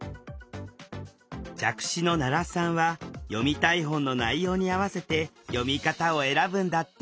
弱視の奈良さんは読みたい本の内容に合わせて読み方を選ぶんだって